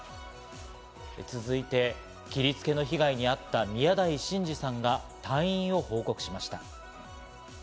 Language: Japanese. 続いて、切りつけの被害に遭った宮台真司さんが退院を報告しました。